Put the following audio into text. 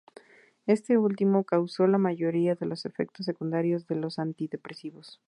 Este último causó la mayoría de los efectos secundarios de los antidepresivos.